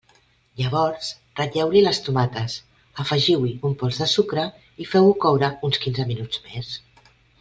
Llavors ratlleu-hi les tomates, afegiu-hi un pols de sucre i feu-ho coure uns quinze minuts més.